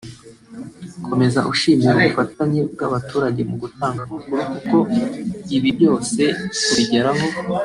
Akomeza ashimira ubufatanye bw’abaturage mu gutanga amakuru kuko ibi byose kubigeraho